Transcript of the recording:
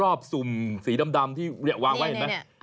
สุ่มสีดำที่วางไว้เห็นไหม